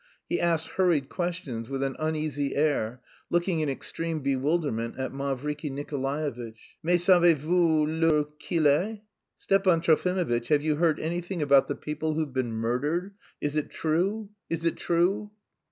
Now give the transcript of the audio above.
He asked hurried questions with an uneasy air, looking in extreme bewilderment at Mavriky Nikolaevitch. "Mais savez vous l'heure qu'il est?" "Stepan Trofimovitch, have you heard anything about the people who've been murdered?... Is it true? Is it true?"